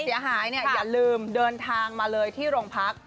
เสียหายเนี่ยอย่าลืมเดินทางมาเลยที่โรงพัก